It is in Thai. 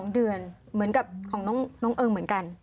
๒เดือนเหมือนกับของน้องเอิงเหมือนกัน